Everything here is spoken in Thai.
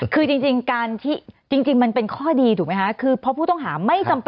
คือจริงเจอค่ะเป็นข้อดีถูกไหม